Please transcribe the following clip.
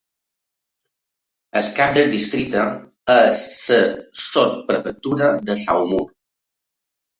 El cap del districte és la sotsprefectura de Saumur.